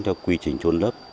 theo quy trình trôn lớp